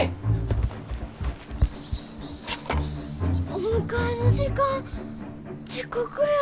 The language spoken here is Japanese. お迎えの時間遅刻や。